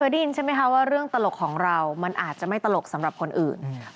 ได้ยินใช่ไหมคะว่าเรื่องตลกของเรามันอาจจะไม่ตลกสำหรับคนอื่น